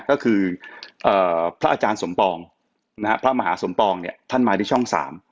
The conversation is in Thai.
ก็คือพระอาจารย์สมปองนะฮะพระมหาสมปองเนี่ยท่านมาที่ช่องสาม